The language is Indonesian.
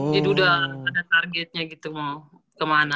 jadi udah ada targetnya gitu mau kemana